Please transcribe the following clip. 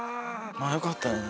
あっよかったよね